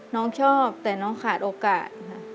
น้องชอบแต่น้องขาดโอกาสค่ะ